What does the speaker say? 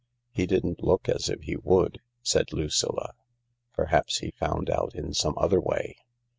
" He didn't look as if he would," said Lucilla. " Perhaps he found out in some other way."